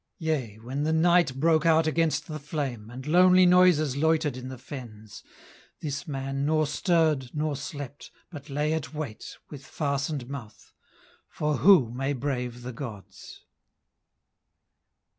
Yea, when the night broke out against the flame, And lonely noises loitered in the fens, This man nor stirred nor slept, but lay at wait, With fastened mouth. For who may brave the gods?